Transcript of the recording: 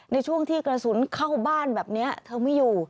ในช่วงที่กระสุนเข้าบ้านแบบนี้เธอไม่อยู่